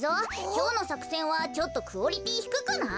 きょうのさくせんはちょっとクオリティーひくくない？